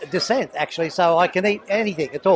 dan saya suka semua makanan indonesia